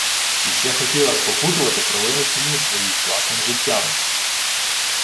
І ще хотіла спокутувати провину синів своїх власним життям.